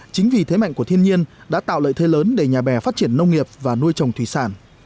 chính vì thế mạnh của thiên nhiên đã tạo lợi thế lớn để nhà bè phát triển nông nghiệp và nuôi trồng thủy sản